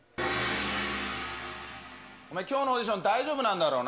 お前、きょうのオーディション、大丈夫なんだろうな。